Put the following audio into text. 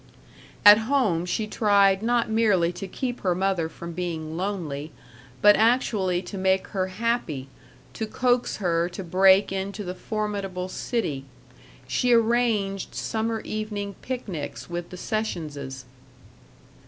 At home she tried not merely to keep her mother from being lonely, but actually to make her happy, to coax her to break into the formidable city. She arranged summer evening picnics with the Sessionses.